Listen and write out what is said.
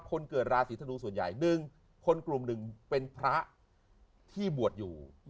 คนเกิดราศีธนูส่วนใหญ่หนึ่งคนกลุ่มหนึ่งเป็นพระที่บวชอยู่